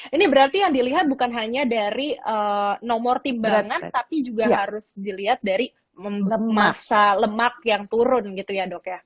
ini berarti yang dilihat bukan hanya dari nomor timbangan tapi juga harus dilihat dari masa lemak yang turun gitu ya dok ya